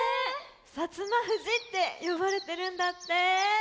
「摩富士」ってよばれてるんだって。